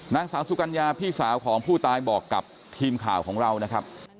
นางสาวสุกัญญาพี่สาวของผู้ตายบอกกับทีมข่าวของเรานะครับ